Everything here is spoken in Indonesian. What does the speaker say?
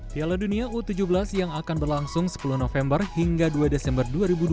piala dunia u tujuh belas yang akan berlangsung sepuluh november hingga dua desember dua ribu dua puluh